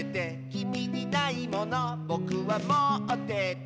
「きみにないものぼくはもってて」